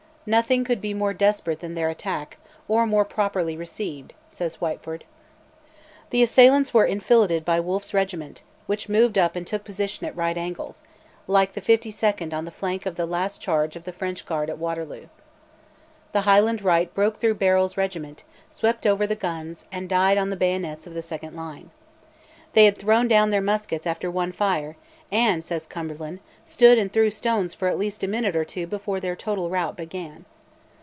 "Nothing could be more desperate than their attack, or more properly received," says Whitefoord. The assailants were enfiladed by Wolfe's regiment, which moved up and took position at right angles, like the fifty second on the flank of the last charge of the French Guard at Waterloo. The Highland right broke through Barrel's regiment, swept over the guns, and died on the bayonets of the second line. They had thrown down their muskets after one fire, and, says Cumberland, stood "and threw stones for at least a minute or two before their total rout began."